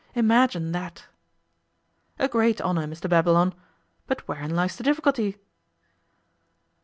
Imagine that!' 'A great honour, Mr Babylon. But wherein lies the difficulty?